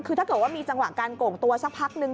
คือถ้าเกิดว่ามีจังหวะการโก่งตัวสักพักนึง